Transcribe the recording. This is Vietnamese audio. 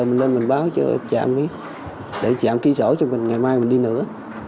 mình lên mình báo cho chạm để chạm ký sổ cho mình ngày mai mình đi nữa